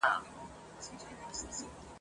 د باوړۍ اوبه به وچي وي، بیا څه کړې !.